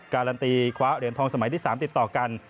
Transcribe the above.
การันตีคว้าเหรียญทองสมัยที่๓ติดต่อกัน